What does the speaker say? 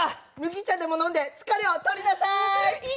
麦茶でも飲んで疲れを取りなさーい。